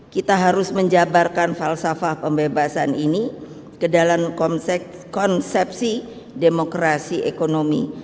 kita harus menjabarkan falsafah pembebasan ini ke dalam konsepsi demokrasi ekonomi